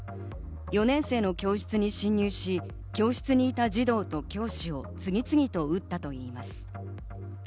４年生の教室に侵入し、教室にいた児童と教師を次々と撃ったといいます。